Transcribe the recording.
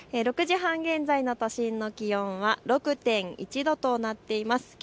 ６時半現在の都心の気温は６．１度となっています。